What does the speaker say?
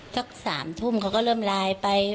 สัก๓ทุ่มเขาก็เริ่มไลน์ไป